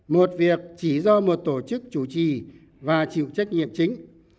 một việc chỉ do một tổ chức chủ trì và chịu trách nhiệm chính